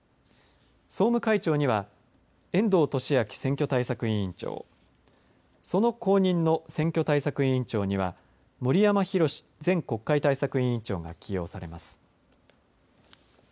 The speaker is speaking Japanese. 総務会長には遠藤利明選挙対策委員長その後任の選挙対策委員長には森山裕前国会対策委員長が起用されます。